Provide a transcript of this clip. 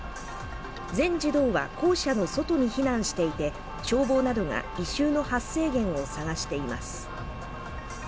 全児童は校舎の外に避難していて、消防などが異臭の発生源を探しています。